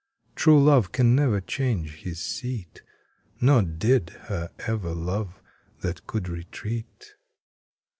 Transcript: True love can never change his seat ; Nor did he ever love that can retreat.